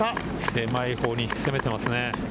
狭い方に攻めてますね。